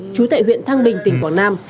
chú tại huyện thanh bình tỉnh quảng nam